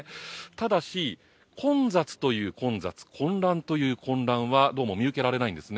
ただし、混雑という混雑混乱という混乱はどうも見受けられないんです。